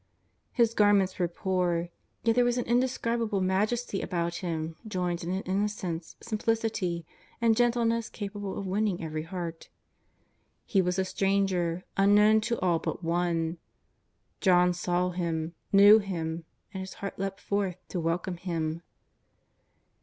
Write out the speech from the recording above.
His garments were poor, yet there was an in describable majesty about Him joined to an innocence, simplicity and gentleness capable of winning every heart. He was a stranger, unknown to all but one. John saw Him., knew Him, and his heart leapt forth to welcome Him.